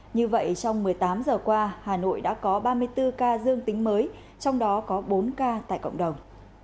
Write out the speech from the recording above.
như vậy trong một mươi tám giờ qua hà nội đã có ba mươi bốn ca dương tính mới trong đó có bốn ca tại cộng đồng